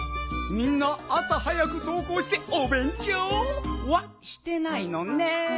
みんなあさ早くとう校しておべんきょうはしてないのねん。